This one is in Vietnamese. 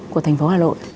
của thành phố hà nội